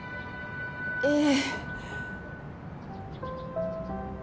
ええ。